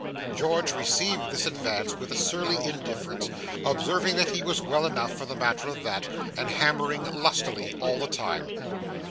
George received this advance with a surly indifference, observing that he was well enough for the matter of that, and hammering lustily all the time.